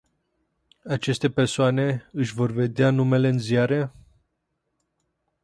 Aceste persoane își vor vedea numele în ziare?